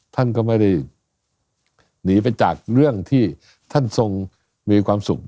ท่านก็ไม่ได้หนีไปจากเรื่องที่ท่านทรงมีความสุข